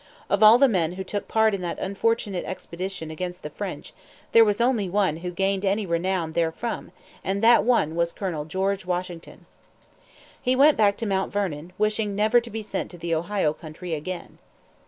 Of all the men who took part in that unfortunate expedition against the French, there was only one who gained any renown therefrom, and that one was Colonel George Washington. He went back to Mount Vernon, wishing never to be sent to the Ohio Country again.